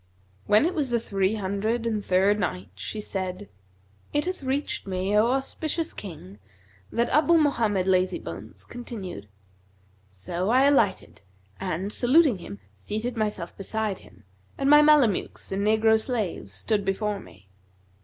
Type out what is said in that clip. When it was the Three Hundred and Third Night, She said, It hath reached me, O auspicious King, that Abu Mohammed Lazybones continued: "So I alighted and, saluting him, seated myself beside him, and my Mamelukes and negro slaves stood before me.